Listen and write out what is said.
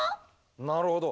なるほど。